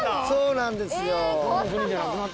そうなんですよ